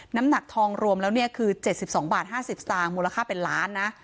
น้ำหนักทองรวมแล้วเนี้ยคือเจ็ดสิบสองบาทห้าสิบสามมูลค่าเป็นล้านน่ะ